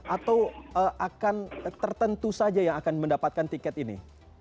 atau akan tertentu saja yang akan mendapatkan tiket ini